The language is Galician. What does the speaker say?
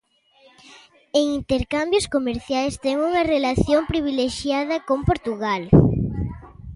En intercambios comerciais ten unha relación privilexiada con Portugal.